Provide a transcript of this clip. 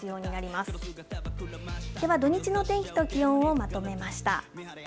では土日の天気と気温をまとめました。